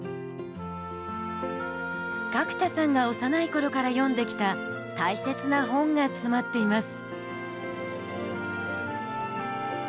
角田さんが幼い頃から読んできた大切な本が詰まっています。